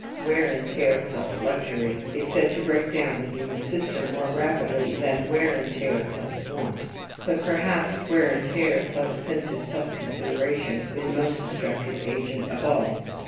Wear and tear plus luxury is said to break down the human system more rapidly than wear and tear plus want; but perhaps wear and tear plus pensive self consideration is the most destructive agent of all.